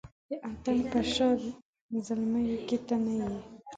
د اتڼ په شاه زلمیانو کې ته نه یې